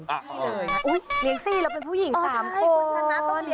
เลี้ยงซี่แล้วเป็นผู้หญิง๓คน